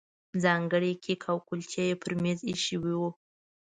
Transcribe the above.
ځانګړي کیک او کولچې یې پر مېز ایښي وو.